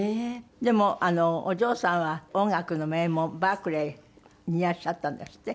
でもお嬢さんは音楽の名門バークリーにいらっしゃったんですって？